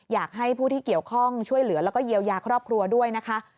อยากให้ผู้ที่เกี่ยวข้องช่วยเหลือแล้วก็เยียวยาครอบครัวด้วยนะคะ